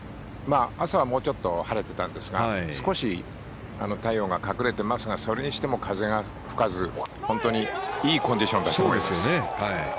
朝はもうちょっと晴れていたんですが少し太陽が隠れていますがそれにしても風が吹かず本当にいいコンディションだと思います。